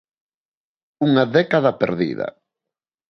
Unha década perdida.